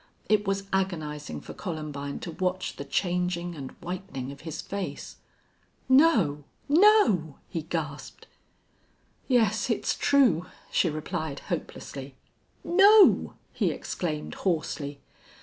It was agonizing for Columbine to watch the changing and whitening of his face! "No no!" he gasped. "Yes, it's true," she replied, hopelessly. "No!" he exclaimed, hoarsely.